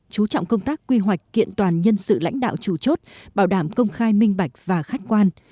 chú trọng công tác quy hoạch kiện toàn nhân sự lãnh đạo chủ chốt bảo đảm công khai minh bạch và khách quan